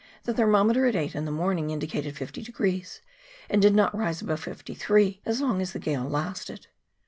the thermometer at eight in the morning indicated 50, and did not rise above 53 as long as the gale lasted.